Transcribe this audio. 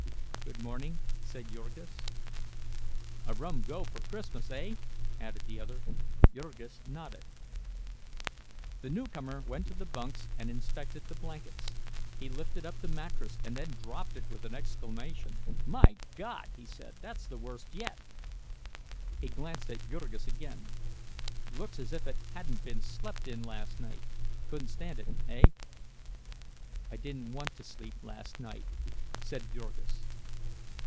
"Good morning," said Jurgis. "A rum go for Christmas, eh?" added the other. Jurgis nodded. The newcomer went to the bunks and inspected the blankets; he lifted up the mattress, and then dropped it with an exclamation. "My God!" he said, "that's the worst yet." He glanced at Jurgis again. "Looks as if it hadn't been slept in last night. Couldn't stand it, eh?" "I didn't want to sleep last night," said Jurgis.